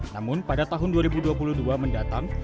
namun pada tahun dua ribu dua puluh dua mendatang